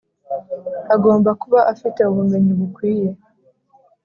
Agomba kuba afite ubumenyi bukwiye